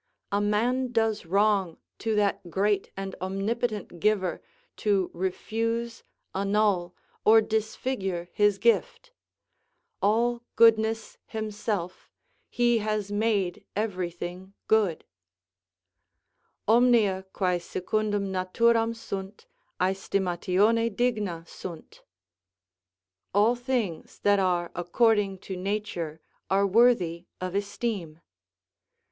A man does wrong to that great and omnipotent giver to refuse, annul, or disfigure his gift: all goodness himself, he has made everything good: "Omnia quae secundum naturam sunt, aestimatione digna sunt." ["All things that are according to nature are worthy of esteem."